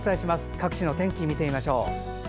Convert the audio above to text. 各地の天気、見てみましょう。